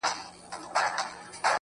نو ځکه هغه ته پرده وايو.